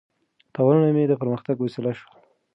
تاوانونه مې د پرمختګ وسیله شول.